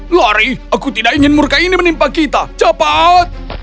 lari aku tidak ingin murka ini menimpa kita cepat